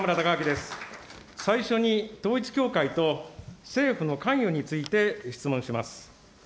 最初に統一教会と政府の関与についてご質問します。